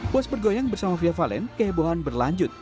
puas bergoyang bersama fia valen kehebohan berlanjut